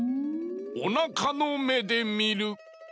おなかのめでみる！